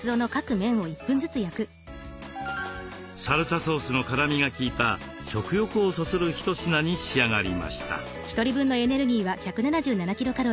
サルサソースの辛みが効いた食欲をそそる一品に仕上がりました。